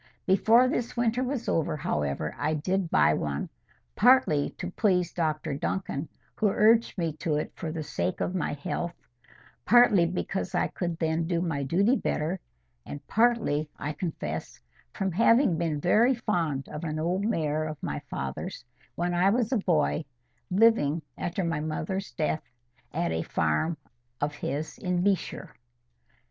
Before this winter was over, however, I did buy one, partly to please Dr Duncan, who urged me to it for the sake of my health, partly because I could then do my duty better, and partly, I confess, from having been very fond of an old mare of my father's, when I was a boy, living, after my mother's death, at a farm of his in B—shire.